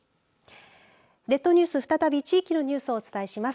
列島ニュース、再び地域のニュースをお伝えします。